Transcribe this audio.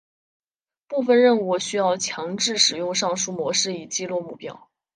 部分任务需要强制使用上述模式以击落目标。